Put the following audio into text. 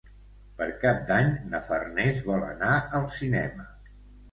Per Cap d'Any na Farners vol anar al cinema.